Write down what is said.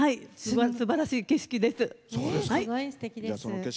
すばらしい景色です。